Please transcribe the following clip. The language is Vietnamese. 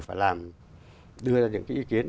phải đưa ra những ý kiến